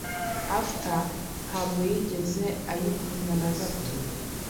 aft ntabwo yigeze ayikunda na gato.